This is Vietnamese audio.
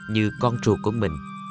như con trùa của mình